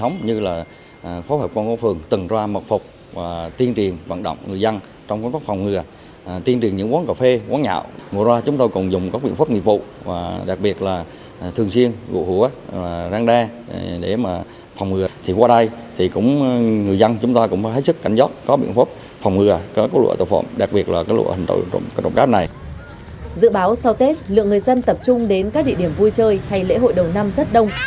người dân tập trung đến các địa điểm vui chơi hay lễ hội đầu năm rất đông